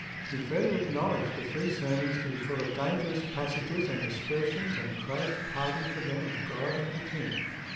He further acknowledged the three sermons to be full of dangerous passages and aspersions, and craved pardon for them of God and the king.